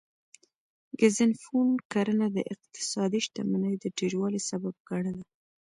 ګزنفون کرنه د اقتصادي شتمنۍ د ډیروالي سبب ګڼله